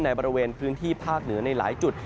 บริเวณพื้นที่ภาคเหนือในหลายจุด